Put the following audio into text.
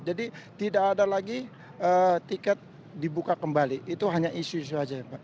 jadi tidak ada lagi tiket dibuka kembali itu hanya isu isu saja ya mbak